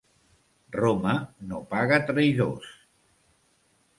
Roma no paga traïdors.